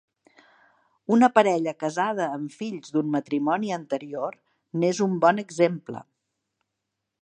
Una parella casada amb fills d'un matrimoni anterior n'és un bon exemple.